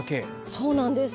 そうなんです。